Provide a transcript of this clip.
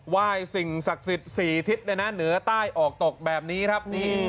ไหว้สิ่งศักดิ์สิทธิ์๔ทิศเลยนะเหนือใต้ออกตกแบบนี้ครับ